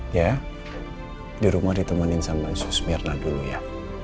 ya di rumah ditemani sama susmirna dulu ya